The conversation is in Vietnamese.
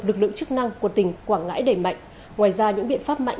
lực lượng chức năng của tỉnh quảng ngãi đẩy mạnh ngoài ra những biện pháp mạnh